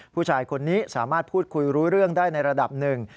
ผู้ชายคนนี้สามารถพูดคุยรู้เรื่องได้ในระดับหนึ่ง